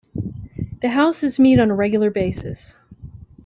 The houses meet on a regular basis.